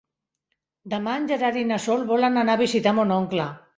Demà en Gerard i na Sol volen anar a visitar mon oncle.